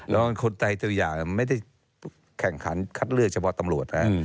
แล้วคนใดตัวอย่างไม่ได้แข่งขันคัดเลือกเฉพาะตำรวจนะ